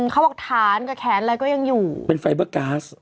เขาบอกฐานกับแขนอะไรก็ยังอยู่เป็นไฟเบอร์ก๊าซ